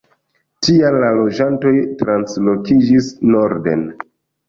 Tial la loĝantoj translokiĝis norden.